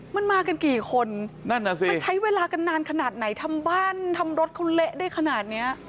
มันมากันกี่คนใช้เวลากันนานขนาดไหนทำบ้านทำรถคุณเละได้ขนาดนี้